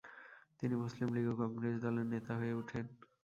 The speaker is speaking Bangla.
তিনি মুসলিম লীগ ও কংগ্রেস দলের নেতা হয়ে উঠেন।